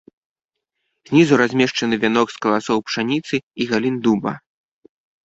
Знізу размешчаны вянок з каласоў пшаніцы і галін дуба.